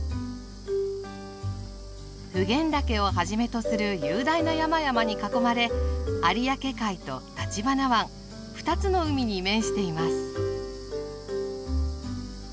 普賢岳をはじめとする雄大な山々に囲まれ有明海と橘湾２つの海に面しています。